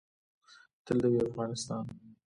تل دې وي افغانستان